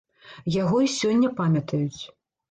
Яго і сёння памятаюць.